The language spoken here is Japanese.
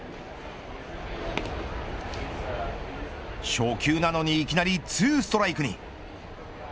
初球なのにいきなりツーストライクに。